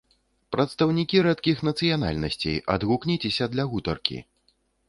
Прадстаўнікі рэдкіх нацыянальнасцей, адгукніцеся для гутаркі!